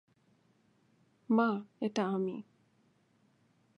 মা, এটা আমি।